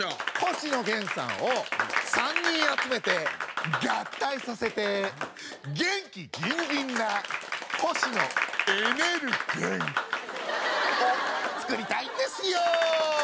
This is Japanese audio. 星野源さんを３人集めて合体させて元気ギンギンな星野エネル源を作りたいんですよー！